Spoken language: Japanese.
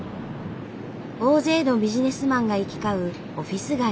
大勢のビジネスマンが行き交うオフィス街。